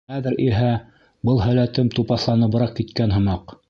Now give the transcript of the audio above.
Хәҙер иһә был һәләтем тупаҫланыбыраҡ киткән һымаҡ...